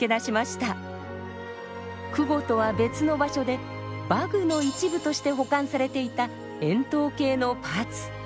箜篌とは別の場所で馬具の一部として保管されていた円筒形のパーツ。